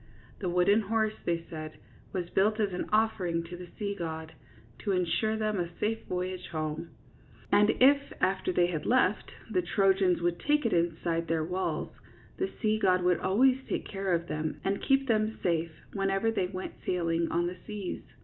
The wooden horse, they said, was built as an offering to the sea god, to insure them a safe voyage home; and if, after they had left, the Trojans would take it inside their walls, the sea god would always take care of them and keep them safe whenever they went sailing on the seas.